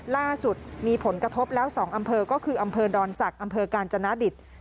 ล่าสุดมีผลกระทบแล้ว๒อำเภอก็คืออำเภอดอนศักดิ์อำเภอกาญจนดิต